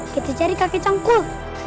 kita cari kakek cangkul